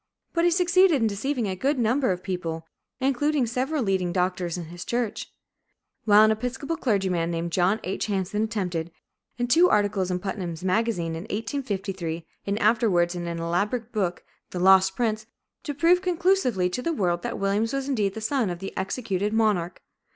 But he succeeded in deceiving a number of good people, including several leading doctors in his church; while an Episcopal clergyman named John H. Hanson attempted, in two articles in "Putnam's Magazine," in 1853, and afterwards in an elaborate book, "The Lost Prince," to prove conclusively to the world that Williams was indeed the son of the executed monarch.